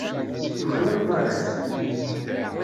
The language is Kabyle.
Tuklaleḍ arraz.